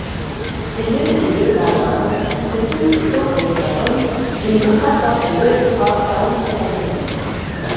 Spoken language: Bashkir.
Өйөр-өйөр малдарым, көтөү-көтөү һыйырҙарым, донъя ҡаплап йөрөр һарыҡтарым киткән минән!